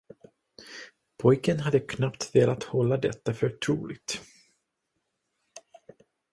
Pojken hade knappt velat hålla detta för troligt.